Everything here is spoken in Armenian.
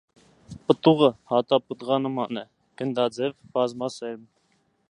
Պտուղը հատապտղանման է, գնդաձև, բազմասերմ։